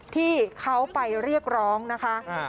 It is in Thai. ที่เขาไปเรียกร้องนะคะ